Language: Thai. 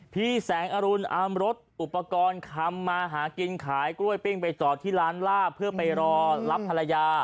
พี่แสงอรุณอามรถอุปกรณ์ทำมาหากินขายกล้วยปิ้งไปจอดที่ร้านลาบเพื่อไปรอรับภรรยา